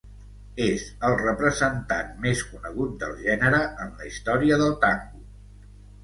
És el representant més conegut del gènere en la història del tango.